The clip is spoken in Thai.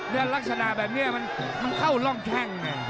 แล้วลักษณะแบบนี้มันเข้าร่องแข้ง